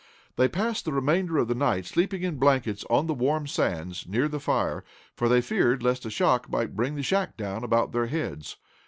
They passed the remainder of the night sleeping in blankets on the warm sands, near the fire, for they feared lest a shock might bring the shack down about their heads.